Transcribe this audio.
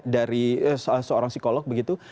dari seorang psikolog begitu